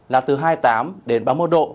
là từ hai mươi tám đến ba mươi một độ